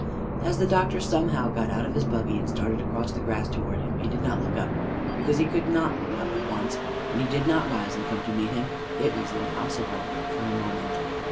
As the doctor somehow got out of his buggy and started across the grass toward him, he did not look up because he could not look up at once; and he did not rise and come to meet him; it was impossible for a moment.